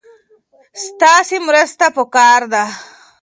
ستاسې مرسته پکار ده.